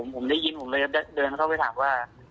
ผมได้ยินผมเลยเดินเข้าไปถามว่า